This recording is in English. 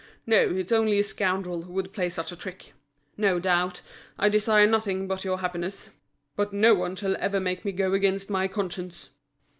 No, it's only a scoundrel who would play such a trick! No doubt, I desire nothing but your happiness, but no one shall ever make me go against my conscience."